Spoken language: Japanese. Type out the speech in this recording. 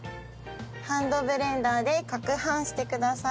ハンドブレンダーで攪拌してください。